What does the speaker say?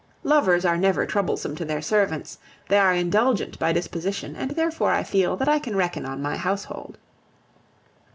Lovers are never troublesome to their servants; they are indulgent by disposition, and therefore I feel that I can reckon on my household.